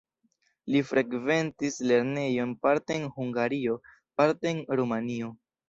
Li frekventis lernejon parte en Hungario, parte en Rumanio.